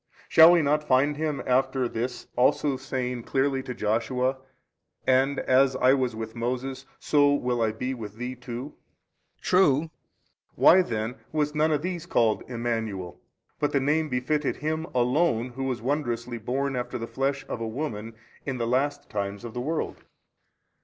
shall we not find Him after this also saying clearly to Joshua, And as I was with Moses so will I be with thee too? B. True. A. Why then was none of these called Emmanuel, but the name befitted Him alone Who was wondrously born after the flesh of a woman in the last times of the world?